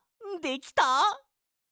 できた！